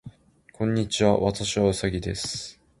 こんにちは。私はうさぎです。